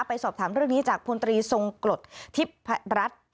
สอบถามเรื่องนี้จากพลตรีทรงกรดทิพรัฐ